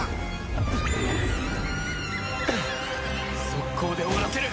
速攻で終わらせる！